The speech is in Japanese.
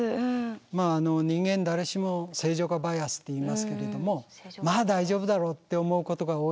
まあ人間誰しも正常化バイアスっていいますけれどもまあ大丈夫だろうって思うことが多いんですよね。